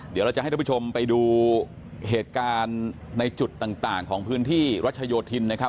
เดี๋ยวเราจะให้ทุกผู้ชมไปดูเหตุการณ์ในจุดต่างของพื้นที่รัชโยธินนะครับ